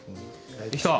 できた？